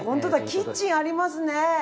キッチンありますね。